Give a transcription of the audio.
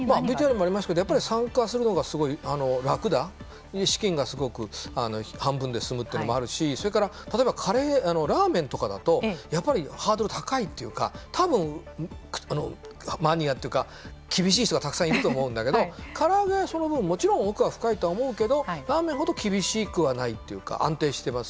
ＶＴＲにもありますけどやっぱり参加するのがすごい楽だ資金がすごく半分で済むっていうのもあるしそれから例えばカレーラーメンとかだとやっぱりハードル高いっていうか多分マニアっていうか厳しい人がたくさんいると思うんだけどから揚げはその分もちろん奥が深いとは思うけどラーメンほど厳しくはないっていうか安定してますよね。